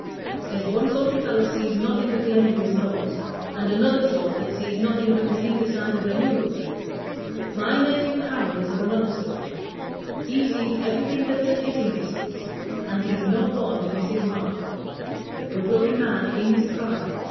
There's one sort of fellow sees nothing but the end of his own nose, and another sort that sees nothing but the hinder side of the moon; but my nephew Harold is of another sort; he sees everything that's at hitting distance, and he's not one to miss his mark. A good looking man in his prime!